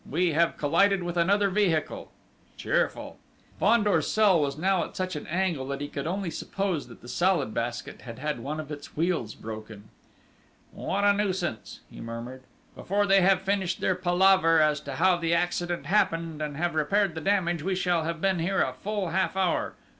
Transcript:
We have collided with another vehicle!... Cheerful!" Fandor's cell was now at such an angle that he could only suppose that the Salad Basket had had one of its wheels broken. "What a nuisance!" he murmured. "Before they have finished their palaver as to how the accident happened and have repaired the damage, we shall have been here a full half hour....